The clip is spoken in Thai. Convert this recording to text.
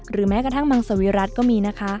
แม้กระทั่งมังสวิรัติก็มีนะคะ